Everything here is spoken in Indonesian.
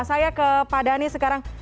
saya ke padani sekarang